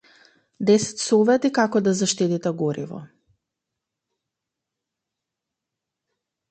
Десет совети како да заштедите гориво